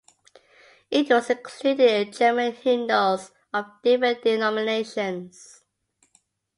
It was included in German hymnals of different denominations.